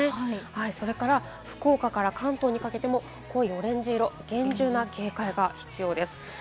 それから福岡から関東にかけても濃いオレンジ色、厳重な警戒が必要です。